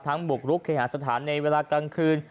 บุกรุกเคหาสถานในเวลากลางคืน